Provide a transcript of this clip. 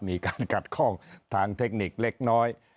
มีการขัดข้องทางเทคนิคเล็กน้อย